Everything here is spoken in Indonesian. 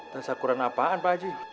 tas akuran apaan pak gaji